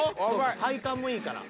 体幹もいいから。